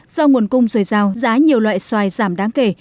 do nguồn cung dồi dào giá nhiều loại xoài giảm đáng kể